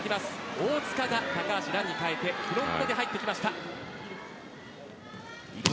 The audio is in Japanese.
大塚が高橋藍に代えてフロントに入ってきました。